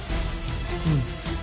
うん。